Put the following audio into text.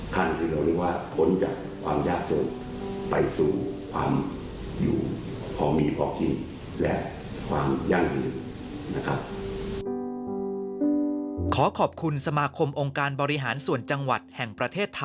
ขั้นที่เรานึกว่าท้นจากความยากโทษไปสู่ความอยู่พอมีพอกิจและความยั่งอยู่นะครับ